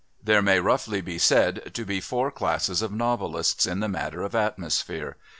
There may roughly be said to be four classes of novelists in the matter of atmosphere.